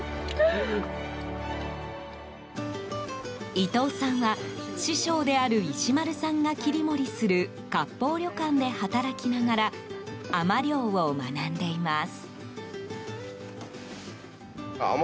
伊藤さんは師匠である石丸さんが切り盛りする割烹旅館で働きながら海女漁を学んでいます。